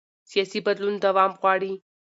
سیاسي بدلون دوام غواړي